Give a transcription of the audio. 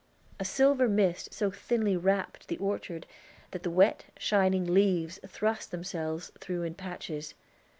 A silver mist so thinly wrapped the orchard that the wet, shining leaves thrust themselves through in patches.